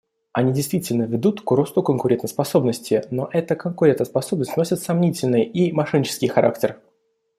Они действительно ведут к росту конкурентоспособности, но эта конкурентоспособность носит сомнительный и мошеннический характер.